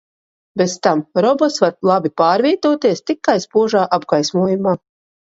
Bez tam robots var labi pārvietoties tikai spožā apgaismojumā.